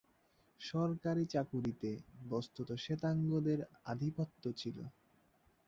সরকারি চাকুরিতে বস্ত্তত শ্বেতাঙ্গদের আধিপত্য ছিল।